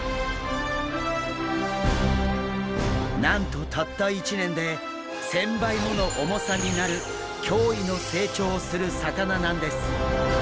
なんとたった１年で１０００倍もの重さになる驚異の成長をする魚なんです！